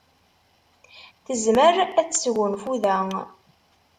Tezmer ad tesgunfu da.